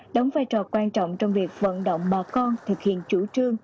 đóng vai trò quan trọng trong việc vận động bà con thực hiện chủ trương